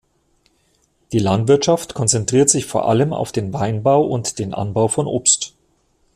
Die Landwirtschaft konzentriert sich vor allem auf den Weinbau und den Anbau von Obst.